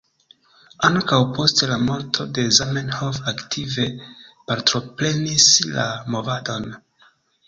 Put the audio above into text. Ankaŭ post la morto de Zamenhof aktive partoprenis la movadon.